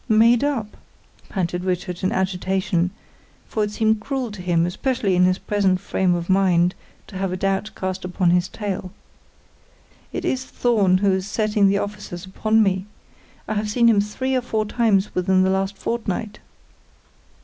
"Made up!" panted Richard, in agitation, for it seemed cruel to him, especially in his present frame of mind, to have a doubt cast upon his tale. "It is Thorn who is setting the officers upon me. I have seen him three or four times within the last fortnight."